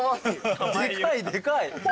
でかいでかい。